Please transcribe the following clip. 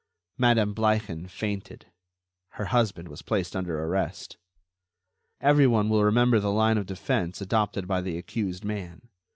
Madame Bleichen fainted. Her husband was placed under arrest. Everyone will remember the line of defense adopted by the accused man.